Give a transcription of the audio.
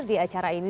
pada hari ini